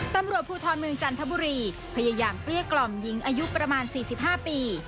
ตำรวจภูทรเมืองจันทบุรีพยายามเกลี้ยกล่อมหญิงอายุประมาณ๔๕ปี